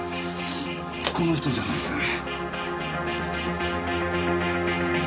この人じゃないですかね？